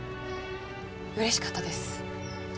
嬉しかったです。